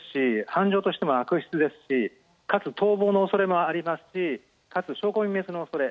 犯罪としても悪質ですしかつ逃亡の恐れもありますしかつ証拠隠滅の恐れ